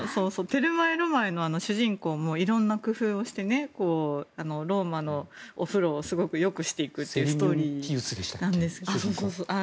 「テルマエ・ロマエ」の主人公も色んな工夫をしてローマのお風呂をすごくよくしていくというストーリーで。